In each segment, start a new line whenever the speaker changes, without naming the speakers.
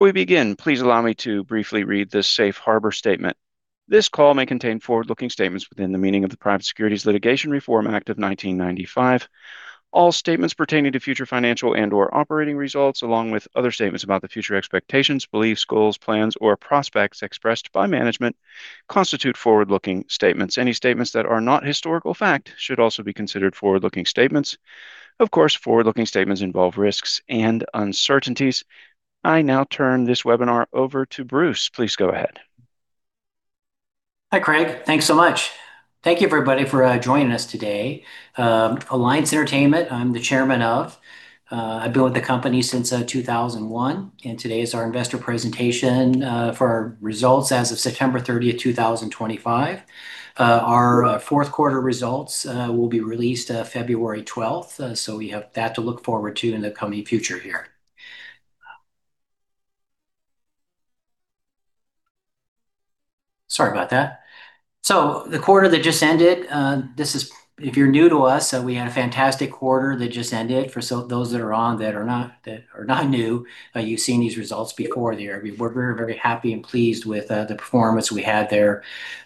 Before we begin, please allow me to briefly read this Safe Harbor statement. This call may contain forward-looking statements within the meaning of the Private Securities Litigation Reform Act of 1995. All statements pertaining to future financial and/or operating results, along with other statements about the future expectations, beliefs, goals, plans, or prospects expressed by management, constitute forward-looking statements. Any statements that are not historical fact should also be considered forward-looking statements. Of course, forward-looking statements involve risks and uncertainties. I now turn this webinar over to Bruce. Please go ahead.
Hi, Craig. Thanks so much. Thank you, everybody, for joining us today. Alliance Entertainment, I'm the Chairman of. I've been with the company since 2001, and today is our Investor Presentation for our results as of September 30th, 2025. Our fourth quarter results will be released February 12, so we have that to look forward to in the coming future here. Sorry about that. So the quarter that just ended, this is if you're new to us, we had a fantastic quarter that just ended. For those that are not new, you've seen these results before there. We're very, very happy and pleased with the performance we had there.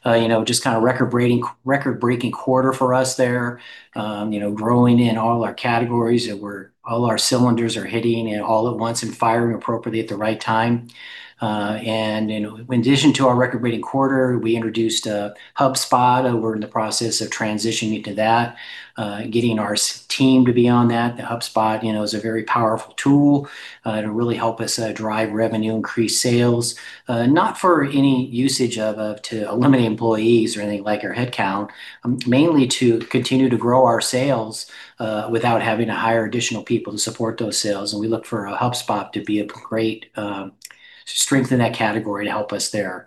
Just kind of record-breaking quarter for us there, growing in all our categories that all our cylinders are hitting all at once and firing appropriately at the right time. In addition to our record-breaking quarter, we introduced HubSpot. We're in the process of transitioning to that, getting our team to be on that. The HubSpot is a very powerful tool to really help us drive revenue, increase sales, not for any usage of to eliminate employees or anything like our headcount, mainly to continue to grow our sales without having to hire additional people to support those sales. We look for a HubSpot to be great to strengthen that category to help us there.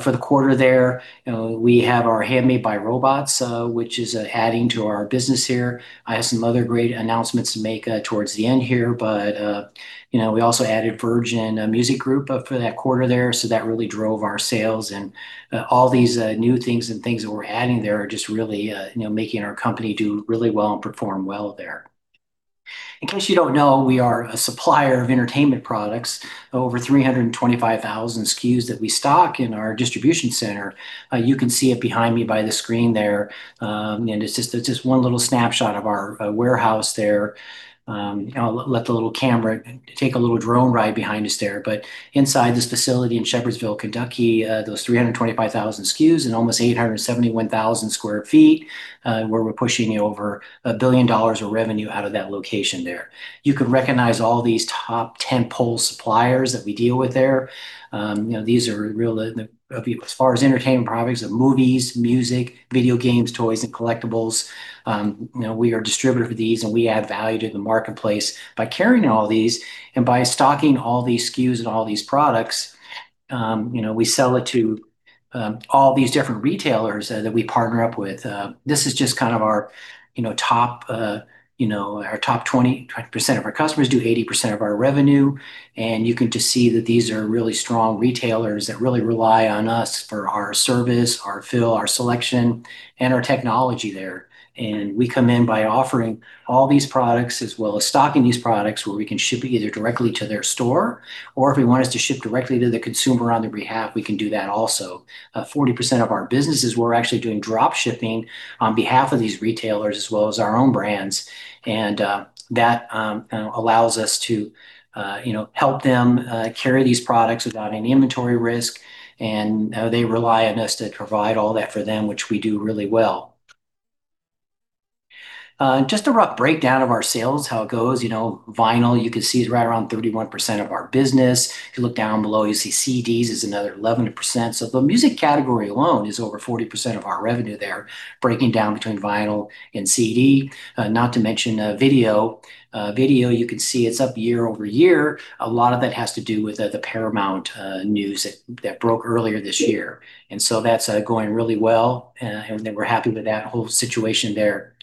For the quarter there, we have our Handmade by Robots, which is adding to our business here. I have some other great announcements to make towards the end here, but we also added Virgin Music Group for that quarter there. So that really drove our sales. All these new things and things that we're adding there are just really making our company do really well and perform well there. In case you don't know, we are a supplier of entertainment products. Over 325,000 SKUs that we stock in our distribution center. You can see it behind me by the screen there. It's just one little snapshot of our warehouse there. I'll let the little camera take a little drone ride behind us there. Inside this facility in Shepherdsville, Kentucky, those 325,000 SKUs and almost 871,000 sq ft, where we're pushing over $1 billion of revenue out of that location there. You can recognize all these top 10 suppliers that we deal with there. These are real, as far as entertainment products of movies, music, video games, toys, and collectibles. We are a distributor for these, and we add value to the marketplace by carrying all these and by stocking all these SKUs and all these products. We sell it to all these different retailers that we partner up with. This is just kind of our top 20% of our customers do 80% of our revenue. And you can just see that these are really strong retailers that really rely on us for our service, our fill, our selection, and our technology there. And we come in by offering all these products as well as stocking these products where we can ship either directly to their store or if we want us to ship directly to the consumer on their behalf, we can do that also. 40% of our businesses, we're actually doing dropshipping on behalf of these retailers as well as our own brands. And that allows us to help them carry these products without any inventory risk. And they rely on us to provide all that for them, which we do really well. Just a rough breakdown of our sales, how it goes. Vinyl, you can see right around 31% of our business. If you look down below, you see CDs is another 11%. So the music category alone is over 40% of our revenue there, breaking down between vinyl and CD. Not to mention video. Video, you can see it's up year over year. A lot of that has to do with the Paramount news that broke earlier this year. And so that's going really well. And we're happy with that whole situation there.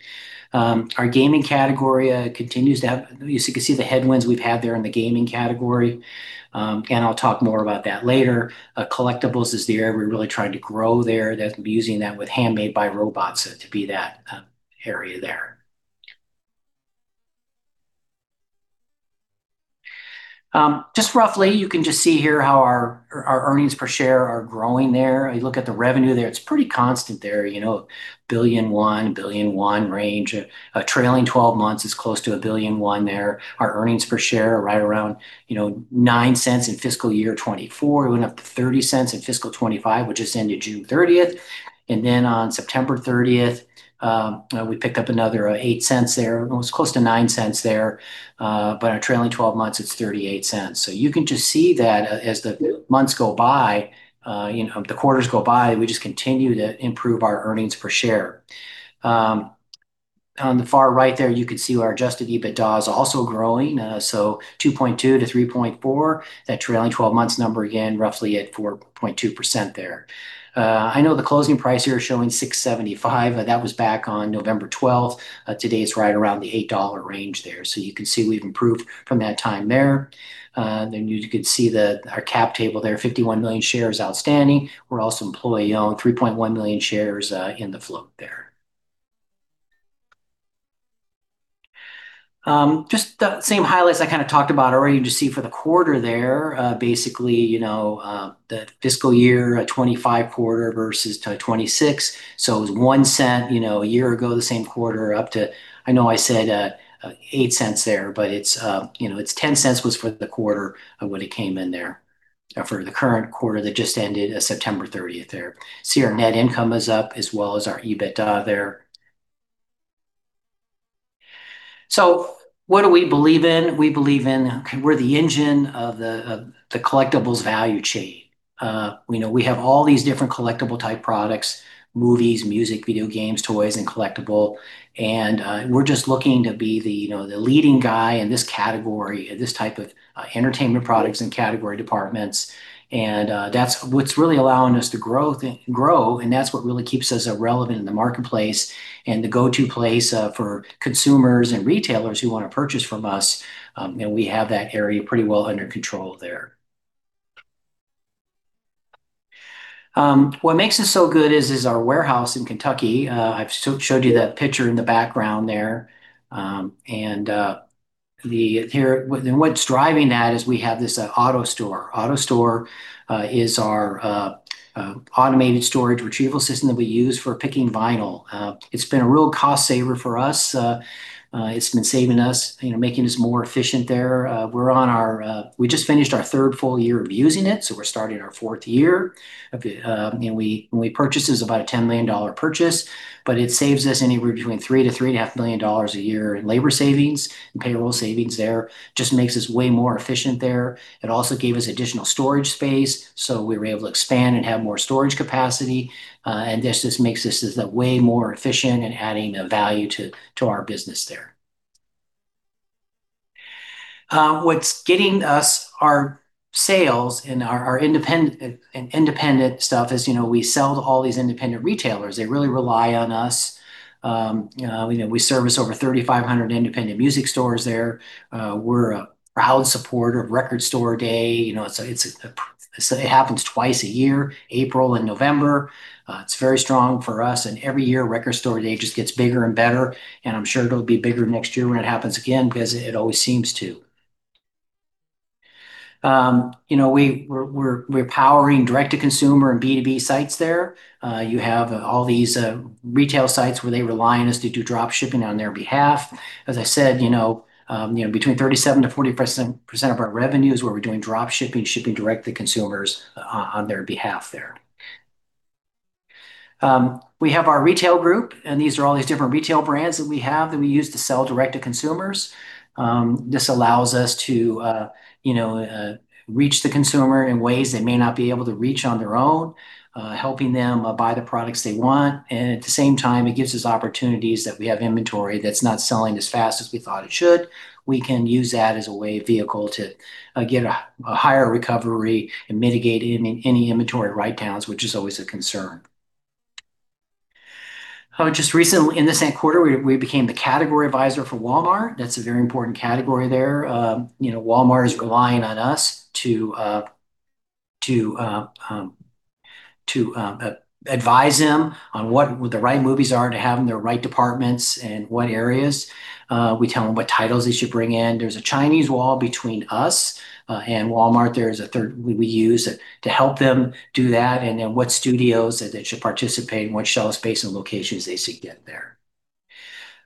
Our gaming category continues to have, you can see the headwinds we've had there in the gaming category. And I'll talk more about that later. Collectibles is there. We're really trying to grow there. That's using that with Handmade by Robots to be that area there. Just roughly, you can just see here how our earnings per share are growing there. You look at the revenue there, it's pretty constant there. $1.1 billion, $1.1 billion range. Trailing 12 months is close to $1.1 billion there. Our earnings per share are right around $0.09 in fiscal year 2024. We went up to $0.30 in fiscal 2025, which ended June 30th, and then on September 30th, we picked up another $0.08 there. It was close to $0.09 there, but our trailing 12 months, it's $0.38, so you can just see that as the months go by, the quarters go by, we just continue to improve our earnings per share. On the far right there, you can see our adjusted EBITDA is also growing. So 2.2%-3.4%. That trailing 12 months number again, roughly at 4.2% there. I know the closing price here is showing $0.675. That was back on November 12. Today's right around the $8 range there. So you can see we've improved from that time there. Then you can see our cap table there, 51 million shares outstanding. We're also employee-owned, 3.1 million shares in the float there. Just the same highlights I kind of talked about already. You just see for the quarter there, basically the fiscal year 2025 quarter versus 2026. So it was $0.01 a year ago, the same quarter up to, I know I said $0.08 there, but it's $0.10 was for the quarter of what it came in there for the current quarter that just ended September 30th there. See our net income is up as well as our EBITDA there. What do we believe in? We believe in we're the engine of the collectibles value chain. We have all these different collectible-type products, movies, music, video games, toys, and collectible. And we're just looking to be the leading guy in this category, this type of entertainment products and category departments. And that's what's really allowing us to grow, and that's what really keeps us relevant in the marketplace and the go-to place for consumers and retailers who want to purchase from us. We have that area pretty well under control there. What makes us so good is our warehouse in Kentucky. I've showed you that picture in the background there. And what's driving that is we have this AutoStore. AutoStore is our automated storage retrieval system that we use for picking vinyl. It's been a real cost-saver for us. It's been saving us, making us more efficient there. We just finished our third full year of using it, so we're starting our fourth year. We purchased this about a $10 million purchase, but it saves us anywhere between $3 million to $3.5 million dollars a year in labor savings and payroll savings there. Just makes us way more efficient there. It also gave us additional storage space, so we were able to expand and have more storage capacity. This just makes us way more efficient in adding value to our business there. What's getting us our sales and our independent stuff is we sell to all these independent retailers. They really rely on us. We service over 3,500 independent music stores there. We're a proud supporter of Record Store Day. It happens twice a year, April and November. It's very strong for us. And every year, Record Store Day just gets bigger and better. And I'm sure it'll be bigger next year when it happens again because it always seems to. We're powering direct-to-consumer and B2B sites there. You have all these retail sites where they rely on us to do dropshipping on their behalf. As I said, between 37%-40% of our revenue is where we're doing dropshipping, shipping direct to consumers on their behalf there. We have our retail group, and these are all these different retail brands that we have that we use to sell direct to consumers. This allows us to reach the consumer in ways they may not be able to reach on their own, helping them buy the products they want. And at the same time, it gives us opportunities that we have inventory that's not selling as fast as we thought it should. We can use that as a vehicle to get a higher recovery and mitigate any inventory write-downs, which is always a concern. Just recently, in this quarter, we became the Category Advisor for Walmart. That's a very important category there. Walmart is relying on us to advise them on what the right movies are to have in their right departments and what areas. We tell them what titles they should bring in. There's a Chinese wall between us and Walmart. There's a third party we use to help them do that. And then what studios that should participate and what shelf space and locations they should get there.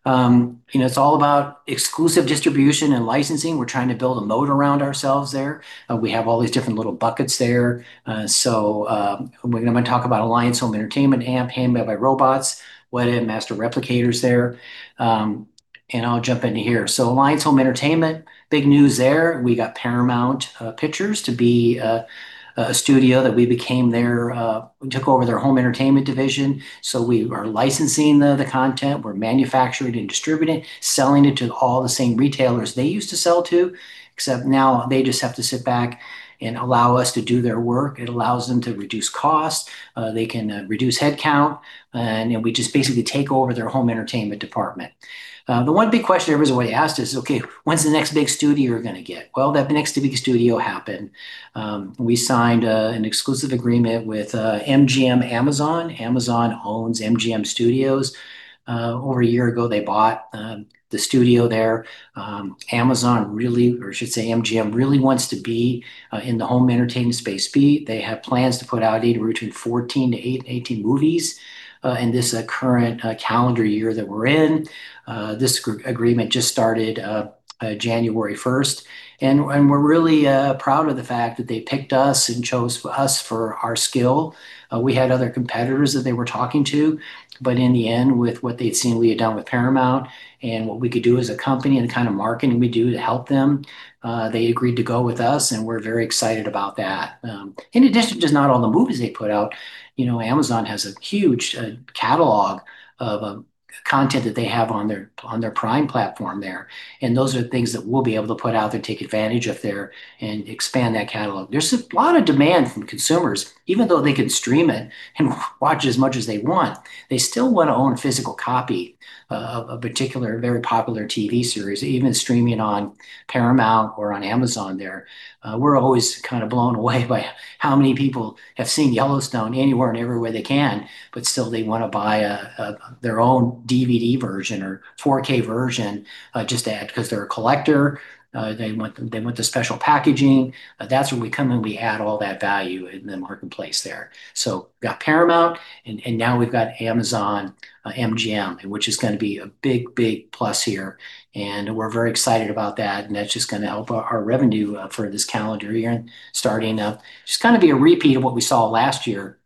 It's all about exclusive distribution and licensing. We're trying to build a moat around ourselves there. We have all these different little buckets there, so I'm going to talk about Alliance Home Entertainment, Handmade by Robots, Wētā and Master Replicas there. I'll jump into it here. Alliance Home Entertainment, big news there. We got Paramount Pictures to be a studio that we took over their Home Entertainment division. So we are licensing the content. We're manufacturing and distributing, selling it to all the same retailers they used to sell to, except now they just have to sit back and allow us to do their work. It allows them to reduce costs. They can reduce headcount. We just basically take over their Home Entertainment department. The one big question everyone's always asked is, okay, when's the next big studio you're going to get? That next big studio happened. We signed an exclusive agreement with MGM Amazon. Amazon owns MGM Studios. Over a year ago, they bought the studio there. Amazon really, or I should say MGM, really wants to be in the home entertainment space. They have plans to put out eight or between 14-18 movies in this current calendar year that we're in. This agreement just started January 1st. And we're really proud of the fact that they picked us and chose us for our skill. We had other competitors that they were talking to. But in the end, with what they'd seen we had done with Paramount and what we could do as a company and the kind of marketing we do to help them, they agreed to go with us. And we're very excited about that. In addition to just not all the movies they put out, Amazon has a huge catalog of content that they have on their Prime platform there. Those are things that we'll be able to put out there, take advantage of there, and expand that catalog. There's a lot of demand from consumers. Even though they can stream it and watch as much as they want, they still want to own a physical copy of a particular very popular TV series, even streaming on Paramount or on Amazon there. We're always kind of blown away by how many people have seen Yellowstone anywhere and everywhere they can, but still they want to buy their own DVD version or 4K version just because they're a collector. They want the special packaging. That's where we come in. We add all that value in the marketplace there. We've got Paramount, and now we've got Amazon, MGM, which is going to be a big, big plus here. We're very excited about that. And that's just going to help our revenue for this calendar year and starting up. Just kind of be a repeat of what we saw last year.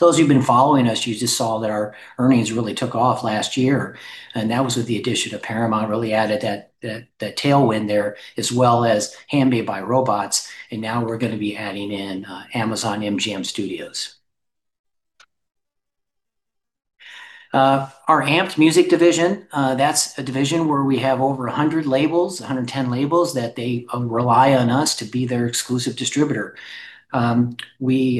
Those who've been following us, you just saw that our earnings really took off last year. And that was with the addition of Paramount really added that tailwind there as well as Handmade by Robots. And now we're going to be adding in Amazon MGM Studios. Our AMPED music division, that's a division where we have over 100 labels, 110 labels that they rely on us to be their exclusive distributor. We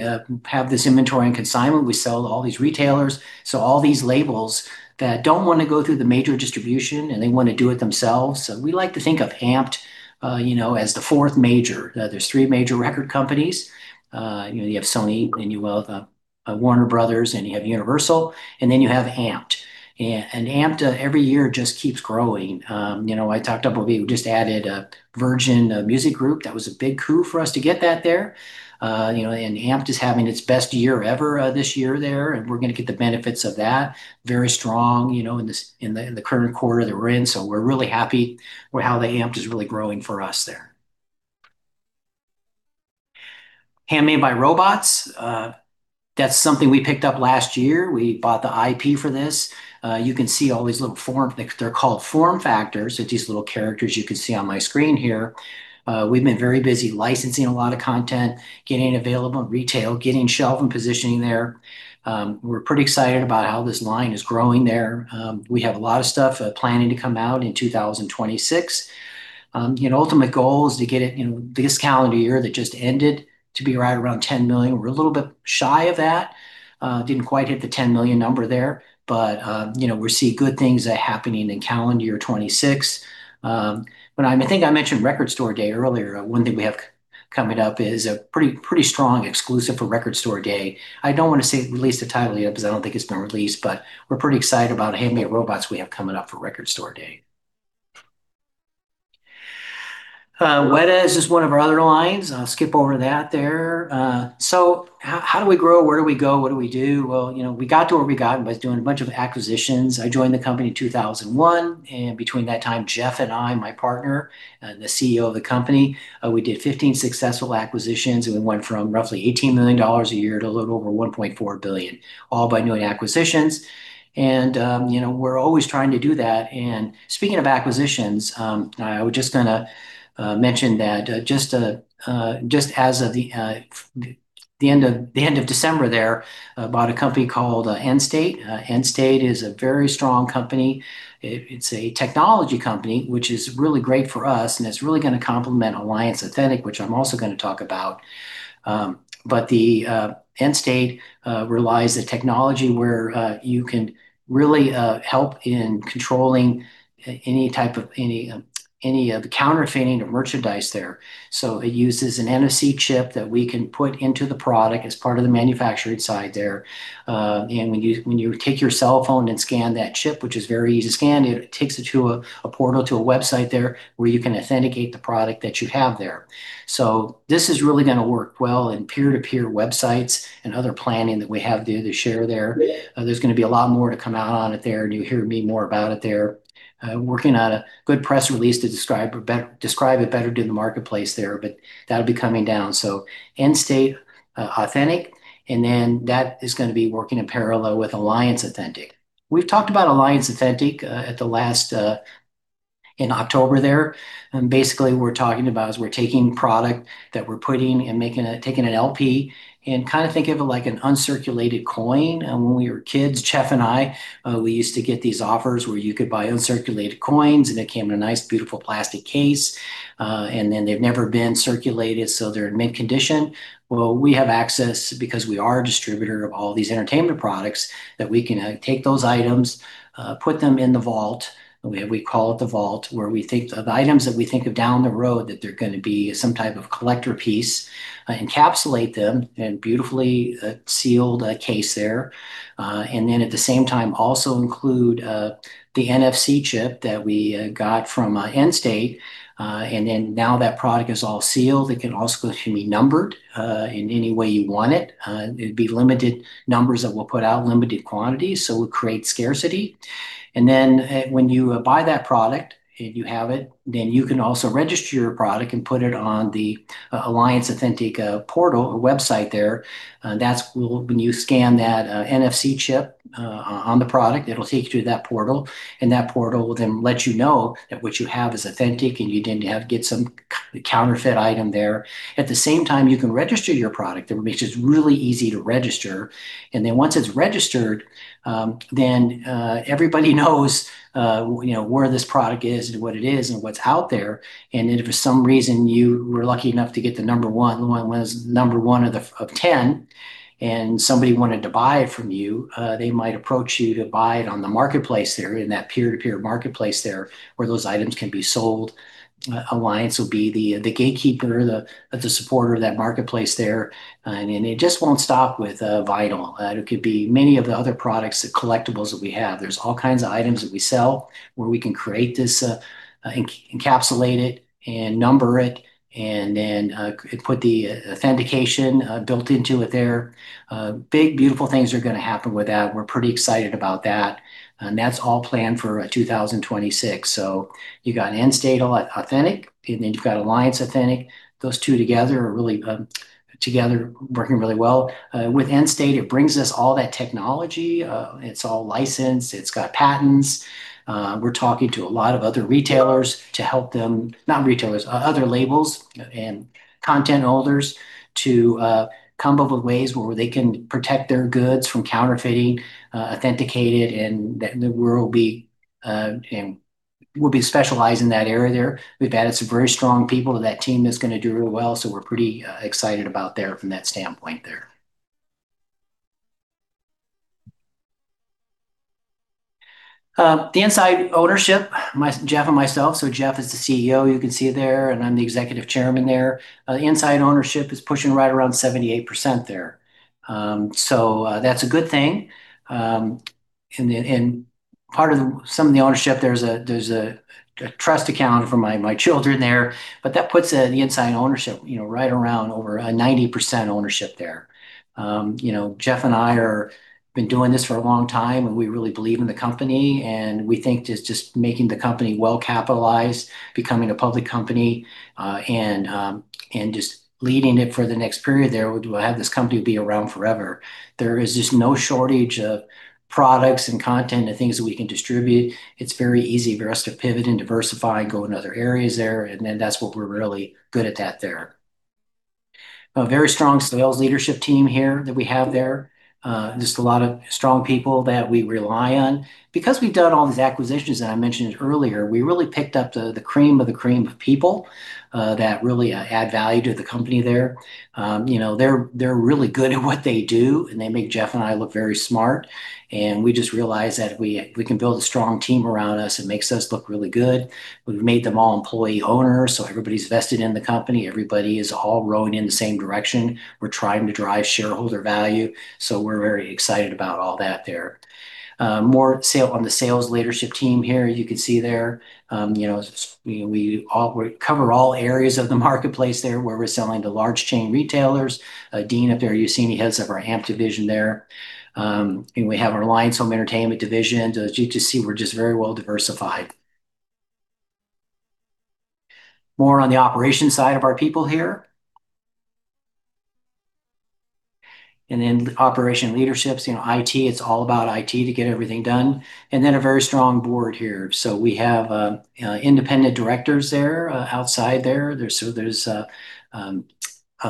have this inventory and consignment. We sell to all these retailers. So all these labels that don't want to go through the major distribution and they want to do it themselves. So we like to think of AMPED as the fourth major. There's three major record companies. You have Sony, and you have Warner Bros., and you have Universal, and then you have AMPED, and AMPED every year just keeps growing. I talked about, we just added a Virgin Music Group. That was a big coup for us to get that there, and AMPED is having its best year ever this year there, and we're going to get the benefits of that. Very strong in the current quarter that we're in, so we're really happy with how the AMPED is really growing for us there. Handmade by Robots. That's something we picked up last year. We bought the IP for this. You can see all these little forms. They're called form factors. It's these little characters you can see on my screen here. We've been very busy licensing a lot of content, getting it available in retail, getting shelf and positioning there. We're pretty excited about how this line is growing there. We have a lot of stuff planning to come out in 2026. Ultimate goal is to get it this calendar year that just ended to be right around 10 million. We're a little bit shy of that. Didn't quite hit the 10 million number there. But we're seeing good things happening in calendar year 2026. But I think I mentioned Record Store Day earlier. One thing we have coming up is a pretty strong exclusive for Record Store Day. I don't want to say release the title yet because I don't think it's been released. But we're pretty excited about Handmade by Robots we have coming up for Record Store Day. Wētā is just one of our other lines. I'll skip over that there. So how do we grow? Where do we go? What do we do? We got to where we got by doing a bunch of acquisitions. I joined the company in 2001. Between that time, Jeff and I, my partner, the CEO of the company, we did 15 successful acquisitions. We went from roughly $18 million a year to a little over $1.4 billion, all by new acquisitions. We're always trying to do that. Speaking of acquisitions, I was just going to mention that just as of the end of December there, I bought a company called Endstate. Endstate is a very strong company. It's a technology company, which is really great for us. It's really going to complement Alliance Authentic, which I'm also going to talk about. The Endstate relies on technology where you can really help in controlling any type of the counterfeiting of merchandise there. So it uses an NFC chip that we can put into the product as part of the manufacturing side there. And when you take your cell phone and scan that chip, which is very easy to scan, it takes it to a portal to a website there where you can authenticate the product that you have there. So this is really going to work well in peer-to-peer websites and other planning that we have to share there. There's going to be a lot more to come out on it there. And you'll hear me more about it there. We're working on a good press release to describe it better to the marketplace there. But that'll be coming down, so Endstate Authentic. And then that is going to be working in parallel with Alliance Authentic. We've talked about Alliance Authentic at the last in October there. Basically, what we're talking about is we're taking product that we're putting and taking an LP and kind of think of it like an uncirculated coin. And when we were kids, Jeff and I, we used to get these offers where you could buy uncirculated coins, and they came in a nice, beautiful plastic case. And then they've never been circulated, so they're in mint condition. Well, we have access because we are a distributor of all these entertainment products that we can take those items, put them in the vault. We call it the vault where we think of items down the road that they're going to be some type of collector piece, encapsulate them in a beautifully sealed case there. And then at the same time, also include the NFC chip that we got from Endstate. And then, now that product is all sealed, it can also be numbered in any way you want it. It'd be limited numbers that we'll put out, limited quantities, so it creates scarcity. And then when you buy that product and you have it, then you can also register your product and put it on the Alliance Authentic portal or website there. That's when you scan that NFC chip on the product. It'll take you to that portal. And that portal will then let you know that what you have is authentic and you didn't have to get some counterfeit item there. At the same time, you can register your product. It makes it really easy to register. And then once it's registered, then everybody knows where this product is and what it is and what's out there. If for some reason you were lucky enough to get the number one of 10 and somebody wanted to buy it from you, they might approach you to buy it on the marketplace there in that peer-to-peer marketplace there where those items can be sold. Alliance will be the gatekeeper or the supporter of that marketplace there. It just won't stop with vinyl. It could be many of the other products, the collectibles that we have. There's all kinds of items that we sell where we can create this, encapsulate it, and number it, and then put the authentication built into it there. Big, beautiful things are going to happen with that. We're pretty excited about that. That's all planned for 2026. So you got Endstate Authentic, and then you've got Alliance Authentic. Those two together are really together working really well. With Endstate, it brings us all that technology. It's all licensed. It's got patents. We're talking to a lot of other retailers to help them, not retailers, other labels and content holders to come up with ways where they can protect their goods from counterfeiting, authenticate it, and we'll be specialized in that area there. We've added some very strong people to that team that's going to do really well. So we're pretty excited about there from that standpoint there. The insider ownership, Jeff and myself. So Jeff is the CEO, you can see there, and I'm the Executive Chairman there. The insider ownership is pushing right around 78% there. So that's a good thing. And part of some of the ownership, there's a trust account for my children there. But that puts the insider ownership right around over a 90% ownership there. Jeff and I have been doing this for a long time, and we really believe in the company. And we think just making the company well capitalized, becoming a public company, and just leading it for the next period there, we'll have this company be around forever. There is just no shortage of products and content and things that we can distribute. It's very easy for us to pivot and diversify and go in other areas there. And then that's what we're really good at there. Very strong sales leadership team here that we have there. Just a lot of strong people that we rely on. Because we've done all these acquisitions that I mentioned earlier, we really picked up the cream of the cream of people that really add value to the company there. They're really good at what they do, and they make Jeff and I look very smart, and we just realized that we can build a strong team around us. It makes us look really good. We've made them all employee owners, so everybody's vested in the company. Everybody is all rowing in the same direction. We're trying to drive shareholder value. So we're very excited about all that there. More on the sales leadership team here, you can see there. We cover all areas of the marketplace there where we're selling to large chain retailers. Dean up there, you seeing he heads up our AMPED division there, and we have our Alliance Home Entertainment division. As you can see, we're just very well diversified. More on the operation side of our people here, and then operation leaderships, IT, it's all about IT to get everything done. We have a very strong board here. So we have independent directors there outside there. So there's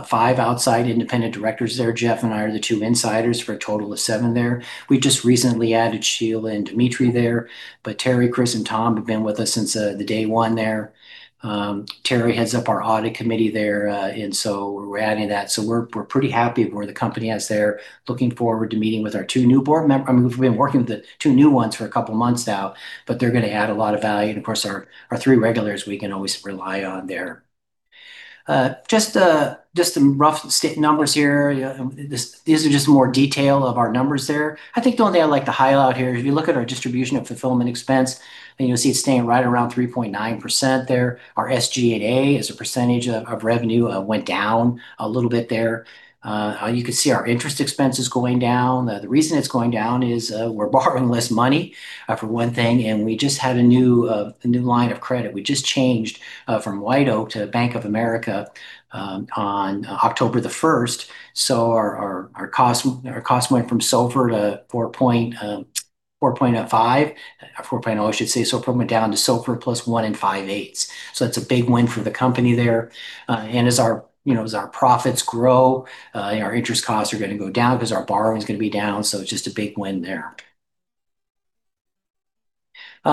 five outside independent directors there. Jeff and I are the two insiders for a total of seven there. We just recently added Sheila and Dmitry there. But Terri, Chris, and Tom have been with us since day one there. Terri heads up our audit committee there. And so we're adding that. So we're pretty happy where the company is there. Looking forward to meeting with our two new board members. I mean, we've been working with the two new ones for a couple of months now, but they're going to add a lot of value. And of course, our three regulars, we can always rely on there. Just some rough numbers here. These are just more detail of our numbers there. I think the only thing I'd like to highlight here is we look at our distribution of fulfillment expense, and you'll see it's staying right around 3.9% there. Our SG&A as a percentage of revenue went down a little bit there. You can see our interest expenses going down. The reason it's going down is we're borrowing less money, for one thing. And we just had a new line of credit. We just changed from White Oak to Bank of America on October the 1st. So our cost went from SOFR to 4.5, 4.0, I should say. So it broke down to SOFR plus 1.625. So that's a big win for the company there. And as our profits grow, our interest costs are going to go down because our borrowing is going to be down. So it's just a big win there.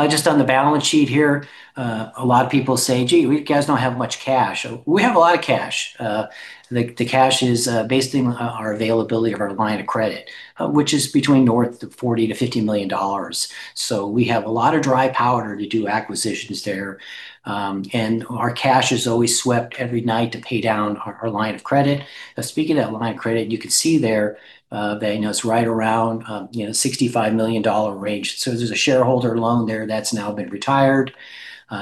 Just on the balance sheet here, a lot of people say, "Gee, you guys don't have much cash." We have a lot of cash. The cash is basically our availability of our line of credit, which is between north of $40 million-$50 million. So we have a lot of dry powder to do acquisitions there. And our cash is always swept every night to pay down our line of credit. Speaking of that line of credit, you can see there that it's right around the $65 million range. So there's a shareholder loan there that's now been retired.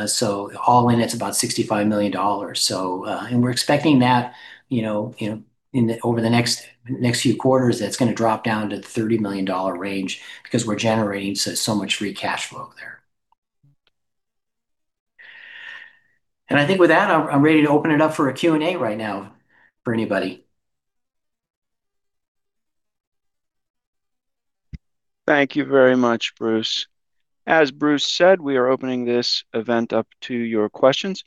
So all in, it's about $65 million. And we're expecting that over the next few quarters, that's going to drop down to the $30 million range because we're generating so much free cash flow there. I think with that, I'm ready to open it up for a Q&A right now for anybody.
Thank you very much, Bruce. As Bruce said, we are opening this event up to your questions.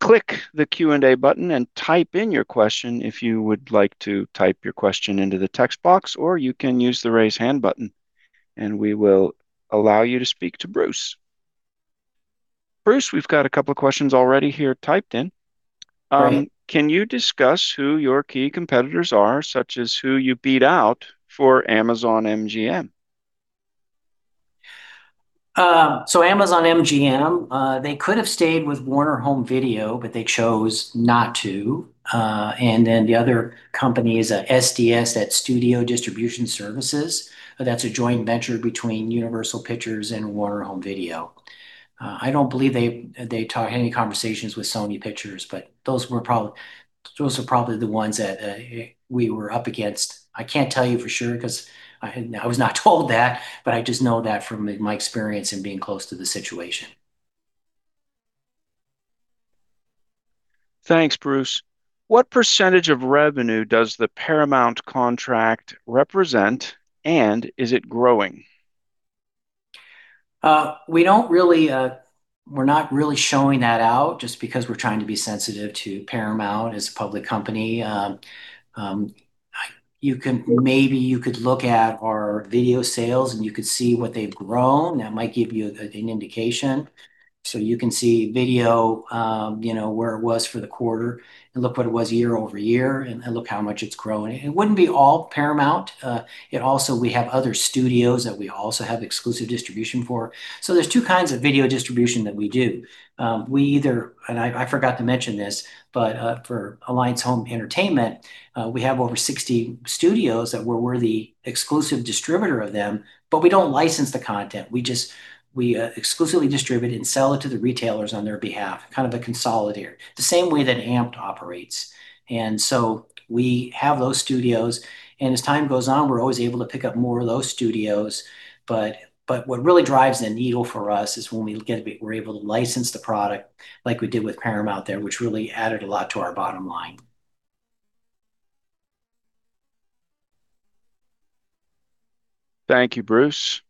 Click the Q&A button and type in your question if you would like to type your question into the text box, or you can use the raise hand button, and we will allow you to speak to Bruce. Bruce, we've got a couple of questions already here typed in. Can you discuss who your key competitors are, such as who you beat out for Amazon MGM?
Amazon MGM, they could have stayed with Warner Home Video, but they chose not to. And then the other company is SDS, that's Studio Distribution Services. That's a joint venture between Universal Pictures and Warner Home Video. I don't believe they had any conversations with Sony Pictures, but those were probably the ones that we were up against. I can't tell you for sure because I was not told that, but I just know that from my experience and being close to the situation.
Thanks, Bruce. What percentage of revenue does the Paramount contract represent, and is it growing?
We're not really showing that out just because we're trying to be sensitive to Paramount as a public company. Maybe you could look at our video sales, and you could see what they've grown. That might give you an indication, so you can see video where it was for the quarter and look what it was year-over-year and look how much it's grown. It wouldn't be all Paramount. Also, we have other studios that we also have exclusive distribution for, so there's two kinds of video distribution that we do, and I forgot to mention this, but for Alliance Home Entertainment, we have over 60 studios that we're the exclusive distributor of them, but we don't license the content. We exclusively distribute and sell it to the retailers on their behalf, kind of a consolidator, the same way that AMPED operates, and so we have those studios. And as time goes on, we're always able to pick up more of those studios. But what really drives the needle for us is when we were able to license the product like we did with Paramount there, which really added a lot to our bottom line.
Thank you, Bruce.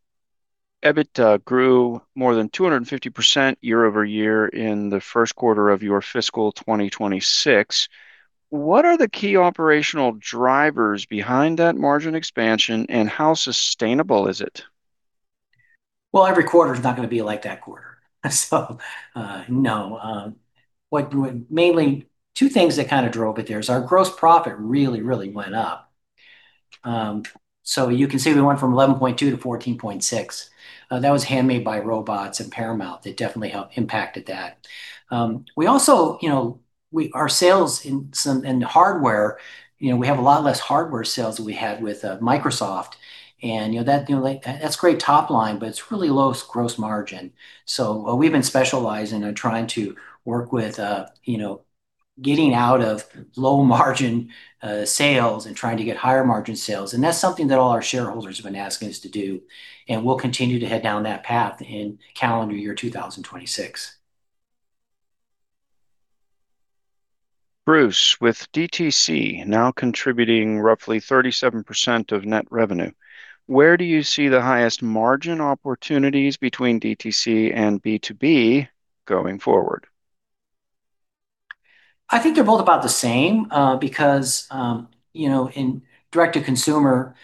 EBITDA grew more than 250% year-over-year in the first quarter of your fiscal 2026. What are the key operational drivers behind that margin expansion, and how sustainable is it?
Every quarter is not going to be like that quarter, so no. Mainly, two things that kind of drove it there is our gross profit really, really went up, so you can see we went from 11.2% to 14.6%. That was Handmade by Robots and Paramount. It definitely impacted that. Our sales in hardware, we have a lot less hardware sales than we had with Microsoft, and that's great top line, but it's really low gross margin. So we've been specializing in trying to work with getting out of low margin sales and trying to get higher margin sales, and that's something that all our shareholders have been asking us to do, and we'll continue to head down that path in calendar year 2026.
Bruce, with D2C now contributing roughly 37% of net revenue, where do you see the highest margin opportunities between D2C and B2B going forward?
I think they're both about the same because in direct-to-consumer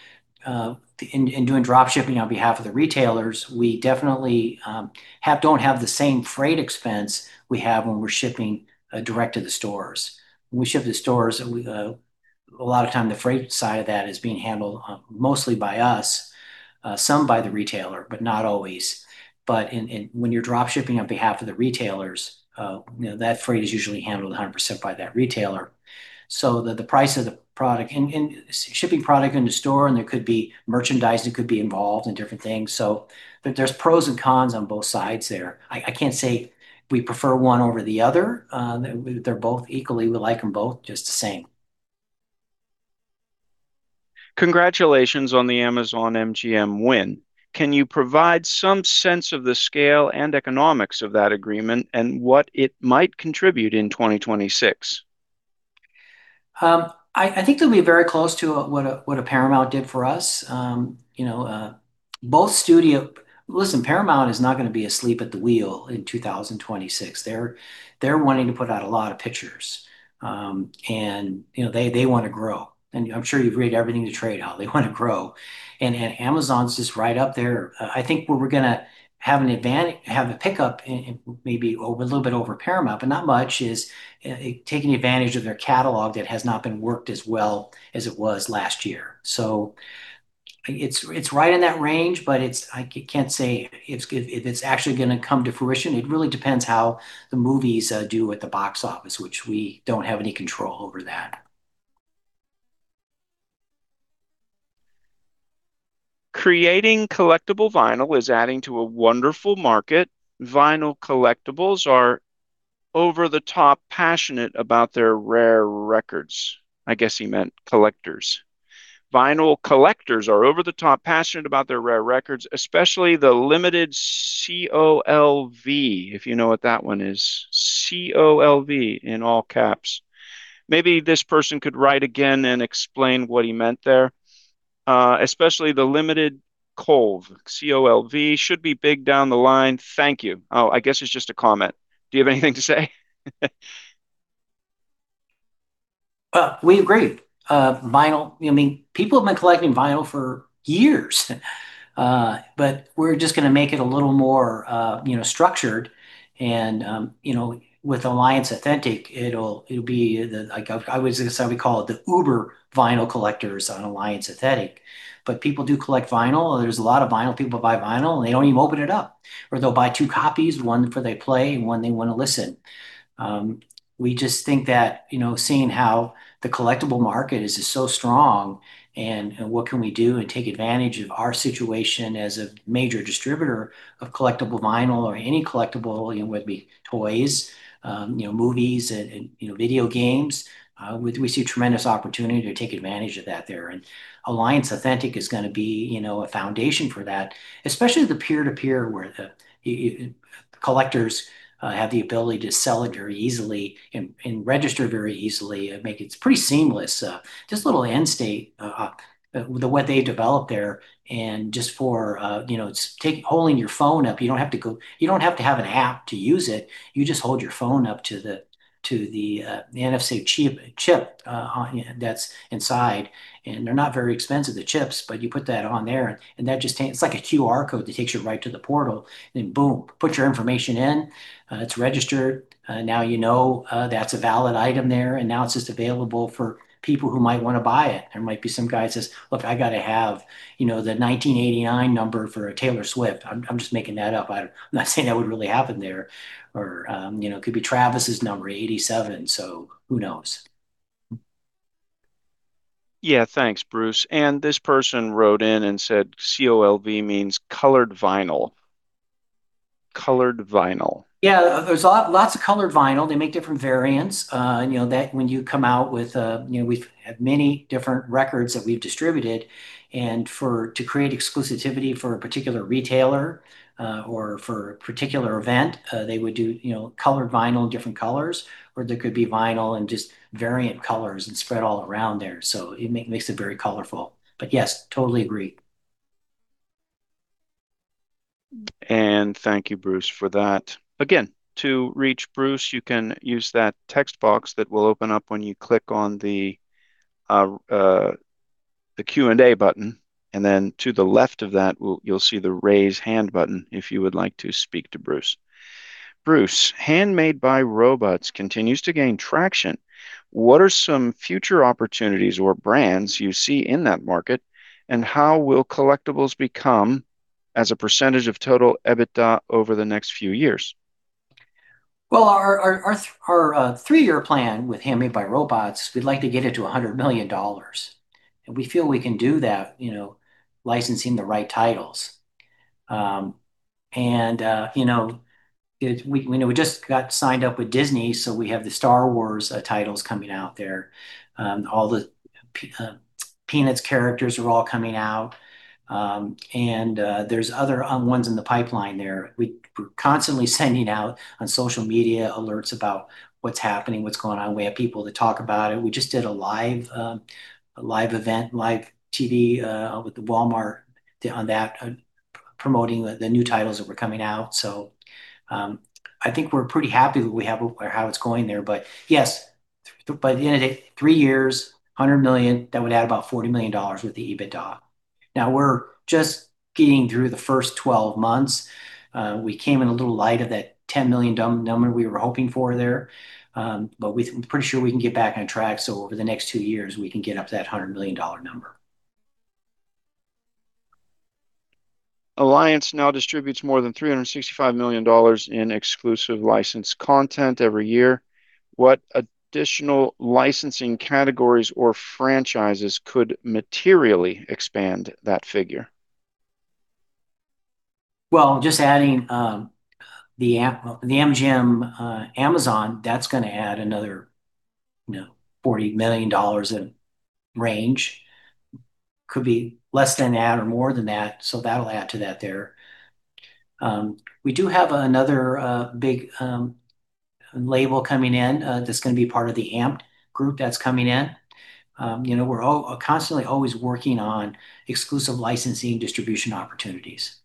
and doing dropshipping on behalf of the retailers, we definitely don't have the same freight expense we have when we're shipping direct to the stores. When we ship to the stores, a lot of time the freight side of that is being handled mostly by us, some by the retailer, but not always. But when you're dropshipping on behalf of the retailers, that freight is usually handled 100% by that retailer. So the price of the product and shipping product into store, and there could be merchandise that could be involved in different things. So there's pros and cons on both sides there. I can't say we prefer one over the other. They're both equally, we like them both just the same.
Congratulations on the Amazon MGM win. Can you provide some sense of the scale and economics of that agreement and what it might contribute in 2026?
I think it'll be very close to what Paramount did for us. Listen, Paramount is not going to be asleep at the wheel in 2026. They're wanting to put out a lot of pictures. And they want to grow. And I'm sure you've read everything to trade how they want to grow. And Amazon's just right up there. I think where we're going to have a pickup, maybe a little bit over Paramount, but not much, is taking advantage of their catalog that has not been worked as well as it was last year. So it's right in that range, but I can't say if it's actually going to come to fruition. It really depends how the movies do at the box office, which we don't have any control over that.
Creating collectible vinyl is adding to a wonderful market. Vinyl collectibles are over the top passionate about their rare records. I guess he meant collectors. Vinyl collectors are over the top passionate about their rare records, especially the limited COLV, if you know what that one is. COLV in all caps. Maybe this person could write again and explain what he meant there. Especially the limited COLV should be big down the line. Thank you. Oh, I guess it's just a comment. Do you have anything to say?
We agree. I mean, people have been collecting vinyl for years. But we're just going to make it a little more structured. And with Alliance Authentic, it'll be like I was going to say we call it the Uber vinyl collectors on Alliance Authentic. But people do collect vinyl. There's a lot of vinyl. People buy vinyl, and they don't even open it up. Or they'll buy two copies, one for they play and one they want to listen. We just think that seeing how the collectible market is so strong and what can we do and take advantage of our situation as a major distributor of collectible vinyl or any collectible, whether it be toys, movies, video games, we see a tremendous opportunity to take advantage of that there. And Alliance Authentic is going to be a foundation for that, especially the peer-to-peer where collectors have the ability to sell it very easily and register very easily. It's pretty seamless. Just a little end state with what they developed there and just for holding your phone up. You don't have to have an app to use it. You just hold your phone up to the NFC chip that's inside. And they're not very expensive, the chips, but you put that on there. And it's like a QR code that takes you right to the portal. And boom, put your information in. It's registered. Now you know that's a valid item there. And now it's just available for people who might want to buy it. There might be some guy that says, "Look, I got to have the 1989 number for Taylor Swift." I'm just making that up. I'm not saying that would really happen there. Or it could be Travis's number, 87. So who knows?
Yeah, thanks, Bruce. And this person wrote in and said COLV means colored vinyl. Colored vinyl.
Yeah, there's lots of colored vinyl. They make different variants. When you come out with, we've had many different records that we've distributed, and to create exclusivity for a particular retailer or for a particular event, they would do colored vinyl in different colors, or there could be vinyl in just variant colors and spread all around there, so it makes it very colorful, but yes, totally agree.
Thank you, Bruce, for that. Again, to reach Bruce, you can use that text box that will open up when you click on the Q&A button. Then to the left of that, you'll see the raise hand button if you would like to speak to Bruce. Bruce, Handmade by Robots continues to gain traction. What are some future opportunities or brands you see in that market, and how will collectibles become as a percentage of total EBITDA over the next few years?
Our three-year plan with Handmade by Robots, we'd like to get it to $100 million. We feel we can do that licensing the right titles. We just got signed up with Disney, so we have the Star Wars titles coming out there. All the Peanuts characters are all coming out. There's other ones in the pipeline there. We're constantly sending out on social media alerts about what's happening, what's going on. We have people to talk about it. We just did a live event, live TV with the Walmart on that, promoting the new titles that were coming out. I think we're pretty happy with how it's going there. Yes, by the end of three years, $100 million, that would add about $40 million with the EBITDA. Now we're just getting through the first 12 months. We came in a little light of that $10 million number we were hoping for there. But we're pretty sure we can get back on track. So over the next two years, we can get up to that $100 million number.
Alliance now distributes more than $365 million in exclusive licensed content every year. What additional licensing categories or franchises could materially expand that figure?
Just adding the MGM Amazon, that's going to add another $40 million in range. Could be less than that or more than that. That'll add to that there. We do have another big label coming in that's going to be part of the AMPED group that's coming in. We're constantly always working on exclusive licensing distribution opportunities.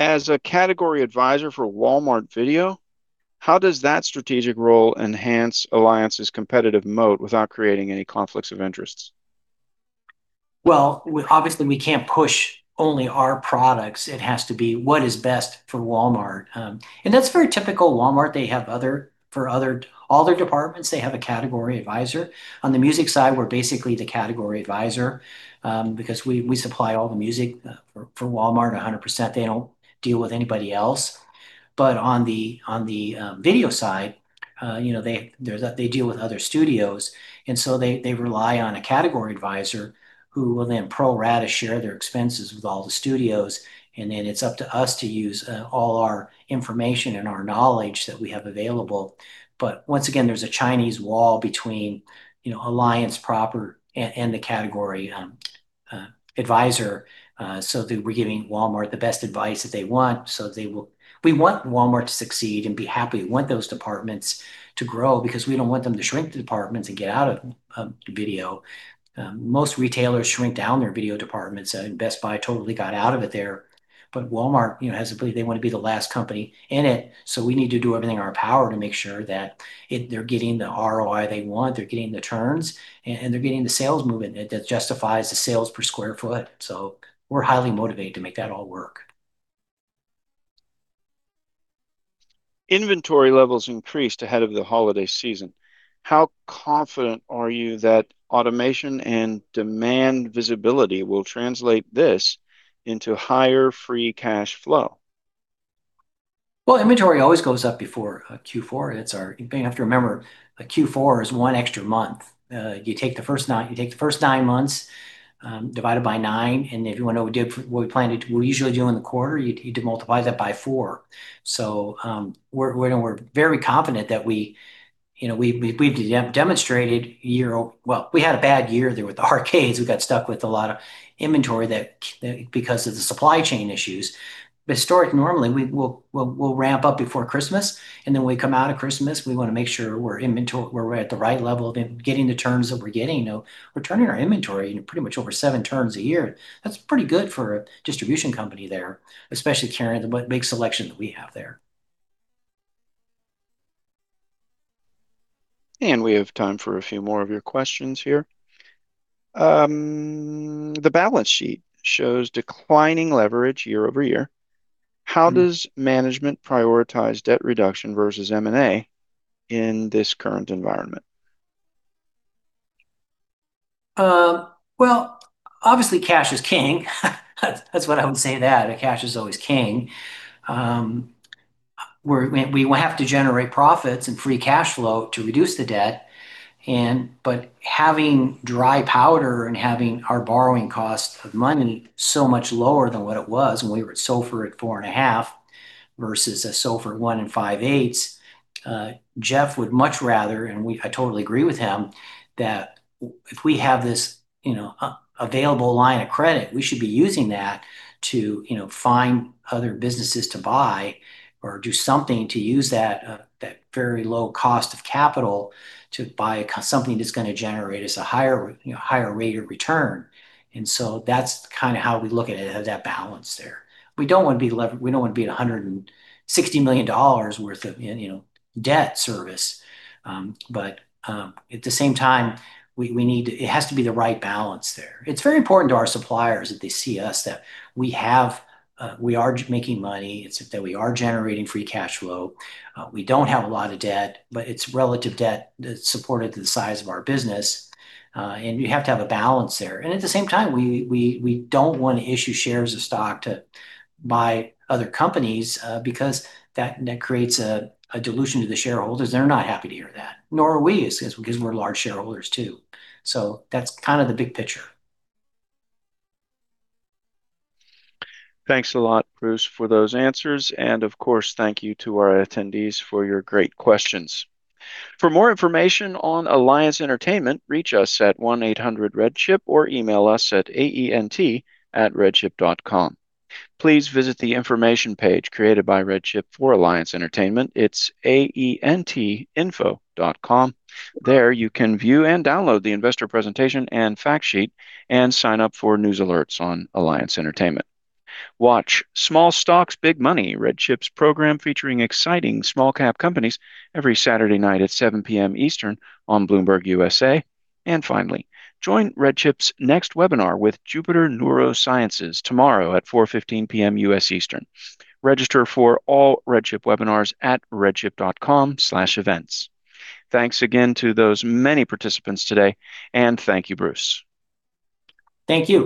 As a Category Advisor for Walmart Video, how does that strategic role enhance Alliance's competitive moat without creating any conflicts of interest?
Obviously, we can't push only our products. It has to be what is best for Walmart, and that's very typical Walmart. They have one for all their departments. They have a category advisor. On the music side, we're basically the Category Advisor because we supply all the music for Walmart 100%. They don't deal with anybody else, but on the video side, they deal with other studios, and so they rely on a category advisor who will then pro rata share their expenses with all the studios, and then it's up to us to use all our information and our knowledge that we have available, but once again, there's a Chinese wall between Alliance proper and the Category Advisor, so we're giving Walmart the best advice that they want, so we want Walmart to succeed and be happy. We want those departments to grow because we don't want them to shrink the departments and get out of video. Most retailers shrink down their video departments. Best Buy totally got out of it there, but Walmart has a belief they want to be the last company in it, so we need to do everything in our power to make sure that they're getting the ROI they want. They're getting the turns, and they're getting the sales movement that justifies the sales per square foot, so we're highly motivated to make that all work.
Inventory levels increased ahead of the holiday season. How confident are you that automation and demand visibility will translate this into higher free cash flow?
Well, inventory always goes up before Q4. You have to remember Q4 is one extra month. You take the first nine months divided by nine, and if you want to know what we plan to usually do in the quarter, you multiply that by four, so we're very confident that we've demonstrated a year of, well, we had a bad year there with the arcades. We got stuck with a lot of inventory because of the supply chain issues, but historically, normally, we'll ramp up before Christmas, and then when we come out of Christmas, we want to make sure we're at the right level of getting the turns that we're getting. We're turning our inventory pretty much over seven turns a year. That's pretty good for a distribution company there, especially considering the big selection that we have there.
We have time for a few more of your questions here. The balance sheet shows declining leverage year-over-year. How does management prioritize debt reduction versus M&A in this current environment?
Obviously, cash is king. That's why I would say that. Cash is always king. We have to generate profits and free cash flow to reduce the debt. But having dry powder and having our borrowing cost of money so much lower than what it was when we were at SOFR at 4.5 versus a SOFR 1.625, Jeff would much rather, and I totally agree with him, that if we have this available line of credit, we should be using that to find other businesses to buy or do something to use that very low cost of capital to buy something that's going to generate us a higher rate of return. And so that's kind of how we look at that balance there. We don't want to be at $160 million worth of debt service. But at the same time, it has to be the right balance there. It's very important to our suppliers that they see us, that we are making money, that we are generating free cash flow. We don't have a lot of debt, but it's relative debt supported to the size of our business. And you have to have a balance there. And at the same time, we don't want to issue shares of stock to buy other companies because that creates a dilution to the shareholders. They're not happy to hear that. Nor are we because we're large shareholders too. So that's kind of the big picture.
Thanks a lot, Bruce, for those answers. And of course, thank you to our attendees for your great questions. For more information on Alliance Entertainment, reach us at 1-800-REDCHIP or email us at aent@redchip.com. Please visit the information page created by RedChip for Alliance Entertainment. It's aentinfo.com. There you can view and download the investor presentation and fact sheet and sign up for news alerts on Alliance Entertainment. Watch Small Stocks, Big Money, RedChip's program featuring exciting small-cap companies every Saturday night at 7:00 P.M. Eastern on Bloomberg USA. And finally, join RedChip's next webinar with Jupiter Neurosciences tomorrow at 4:15 P.M. U.S. Eastern. Register for all RedChip webinars at redchip.com/events. Thanks again to those many participants today. And thank you, Bruce.
Thank you.